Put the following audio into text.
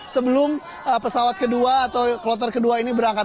sebelum pesawat kedua atau kloter kedua ini berangkat